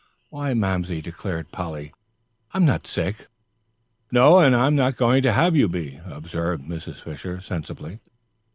"Why, Mamsie," declared Polly, "I'm not sick." "No, and I'm not going to have you be," observed Mrs. Fisher, sensibly.